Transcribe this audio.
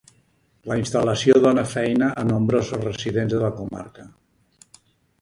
La instal·lació dóna feina a nombrosos residents de la comarca.